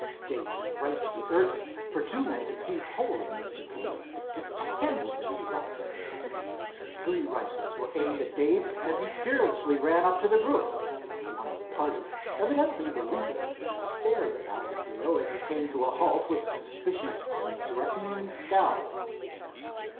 Dave had a right to be urgent, for two men had seized hold of Mr. King as if to handle him roughly. Three rifles were aimed at Dave as he fearlessly ran up to the group. One of the party, evidently the leader, stared at our hero as he came to a halt, with a suspicious and threatening scowl.